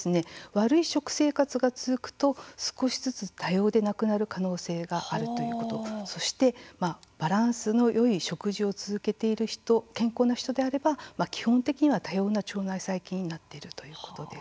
悪い食生活が続くと少しずつ多様でなくなる可能性があるということ、そしてバランスのよい食事を続けている人、健康な人であれば基本的には多様な腸内細菌になっているということです。